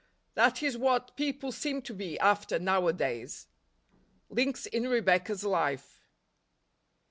That is what people seem to be after nowadays. Links in Rebecca's Life.